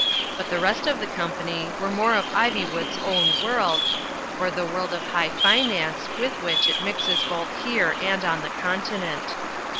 But the rest of the company were more of Ivywood's own world, or the world of high finance with which it mixes both here and on the continent.